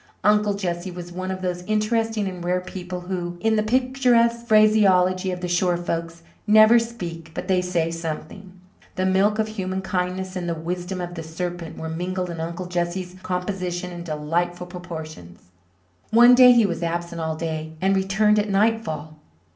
Uncle Jesse was one of those interesting and rare people who, in the picturesque phraseology of the shore folks, "never speak but they say something." The milk of human kindness and the wisdom of the serpent were mingled in Uncle Jesse's composition in delightful proportions. One day he was absent all day and returned at nightfall.